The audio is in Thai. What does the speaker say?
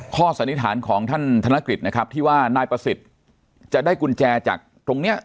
สันนิษฐานของท่านธนกฤษนะครับที่ว่านายประสิทธิ์จะได้กุญแจจากตรงนี้